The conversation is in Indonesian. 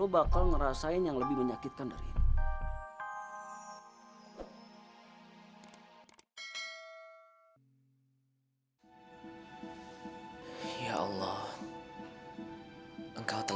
bakal ngerasain yang lebih menyakitkan dari ini